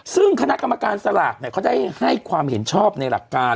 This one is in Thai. ซึ่งคณะกรรมการสลากเขาได้ให้ความเห็นชอบในหลักการ